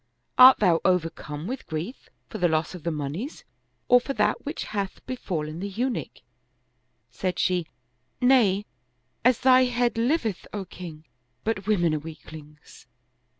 Art thou overcome with grief for the loss of the moneys or for that which hath befallen the Eunuch ?" Said she, " Nay, as thy head liveth, O king! but women are weaklings."